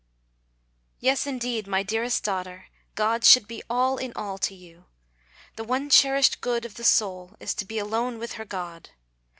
Yes, indeed, my dearest daughter, God should be all in all to you. The one cherished good of the soul is to be alone with her God.